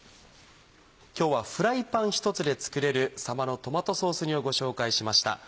今日はフライパン１つで作れる「さばのトマトソース煮」をご紹介しました。